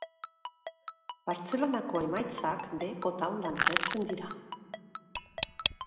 Bartzelonako emaitzak beheko taulan agertzen dira.